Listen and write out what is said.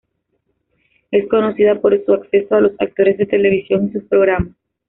Es conocida por su acceso a los actores de televisión y sus programas.